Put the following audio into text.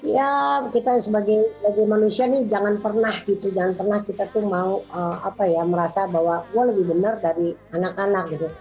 ya kita sebagai manusia nih jangan pernah gitu jangan pernah kita tuh mau merasa bahwa wah lebih benar dari anak anak gitu